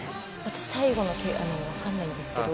私最後わからないんですけど。